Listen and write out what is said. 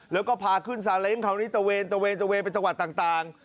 แล้วก็พาขึ้นซาเล้งคราวนี้ตะเวนตะเวนตะเวนไปจังหวัดต่าง